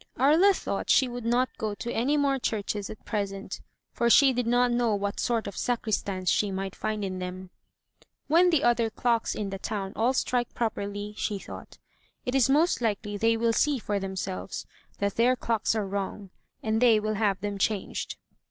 *' Aria thought she would not go to any more churches at present, for she did not know what sort of sacristans she might find in them. "When the other clocks in the town all strike properly," she thought, "it is most likely they will see for themselves that their clocks are wrong, and they will have them changed."